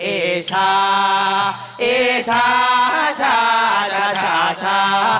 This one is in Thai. เอชาเอชาชาชาชาชาชา